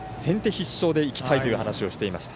必勝でいきたいという話をしていました。